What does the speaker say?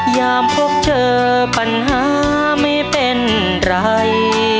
ยามพบเธอปัญหาไม่เป็นไร